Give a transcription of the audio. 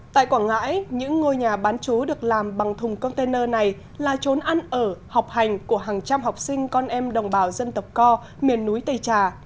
tại quảng ngãi những ngôi nhà bán chú được làm bằng thùng container này là trốn ăn ở học hành của hàng trăm học sinh con em đồng bào dân tộc co miền núi tây trà